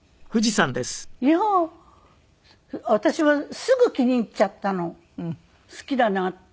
いや私はすぐ気に入っちゃったの好きだなって。